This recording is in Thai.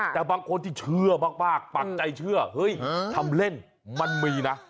แต่บางคนที่เชื่อมากปักใจเชื่อเฮ้ยทำเล่นมันมีนะ